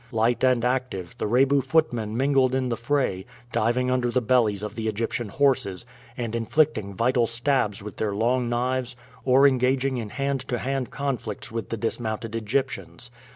Light and active, the Rebu footmen mingled in the fray, diving under the bellies of the Egyptian horses, and inflicting vital stabs with their long knives or engaging in hand to hand conflicts with the dismounted Egyptians.